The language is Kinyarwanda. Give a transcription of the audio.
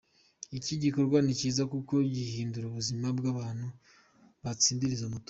Iki gikorwa ni cyiza kuko gihindura ubuzima bw’abantu batsindira izi moto.